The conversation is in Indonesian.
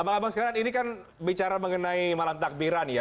bang abang sekarang ini kan bicara mengenai malam takbiran ya